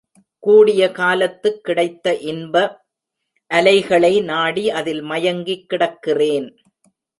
கூடிய காலத்துக் கிடைத்த இன்ப அலைகளை நாடி அதில் மயங்கிக் கிடக்கிறேன்.